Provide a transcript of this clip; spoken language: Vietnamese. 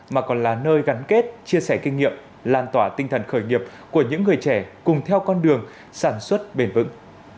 mà còn là nơi gắn kết chia sẻ kinh nghiệm lan tỏa tinh thần khởi nghiệp của những người trẻ cùng theo con đường sản xuất bền vững